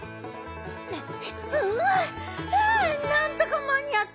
ううはあなんとかまにあった。